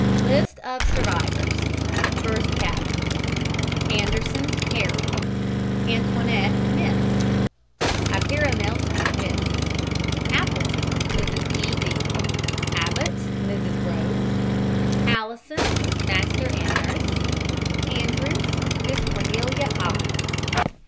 LIST OF SURVIVORS FIRST CABIN ANDERSON, HARRY. ANTOINETTE, MISS. APPIERANELT, MISS. APPLETON. MRS. E. D. ABBOTT, MRS. ROSE. ALLISON, MASTER, and nurse. ANDREWS, MISS CORNELIA I.